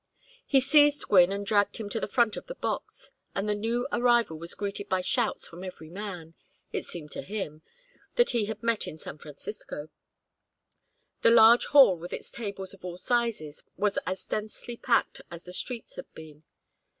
He seized Gwynne and dragged him to the front of the box, and the new arrival was greeted by shouts from every man, it seemed to him, that he had met in San Francisco. The large hall with its tables of all sizes was as densely packed as the streets had been.